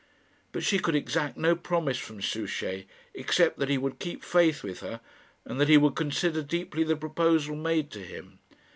But she could exact no promise from Souchey except that he would keep faith with her, and that he would consider deeply the proposal made to him.